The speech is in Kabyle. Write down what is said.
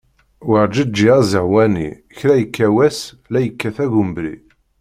Werǧeǧǧi azehwani, kra yekka wass la yekkat agumbri.